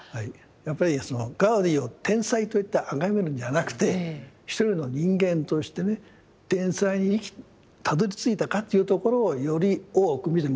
やっぱりそのガウディを天才といってあがめるんじゃなくて一人の人間としてね天才にたどりついたかというところをより多く見てもらいたい。